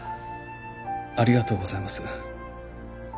ありがとうございます。